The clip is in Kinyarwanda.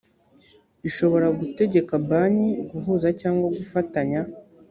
ishobora gutegeka banki guhuza cyangwa gufatanya